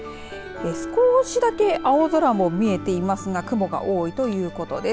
少しだけ青空も見えていますが雲が多いということです。